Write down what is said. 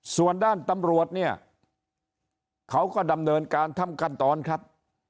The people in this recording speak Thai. ส่วนด้านตำรวจเนี่ยเขาก็ดำเนินการทำขั้นตอนครับ